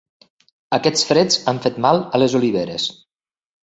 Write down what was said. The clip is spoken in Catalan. Aquests freds han fet mal a les oliveres.